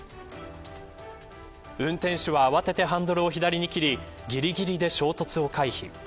運転手は、慌ててハンドルを左に切りぎりぎりで衝突を回避。